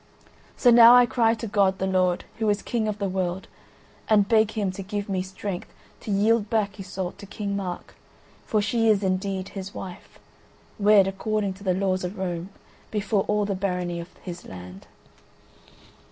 So now I cry to God the Lord, who is King of the world, and beg Him to give me strength to yield back Iseult to King Mark; for she is indeed his wife, wed according to the laws of Rome before all the Barony of his land."